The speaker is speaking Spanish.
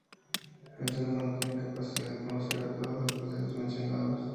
El ser humano tiene la capacidad de conocer con todos los procesos mencionados.